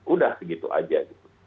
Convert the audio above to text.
udah segitu aja gitu